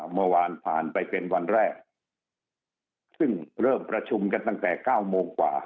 เมื่อวานผ่านไปเป็นวันแรกซึ่งเริ่มประชุมกันตั้งแต่เก้าโมงกว่า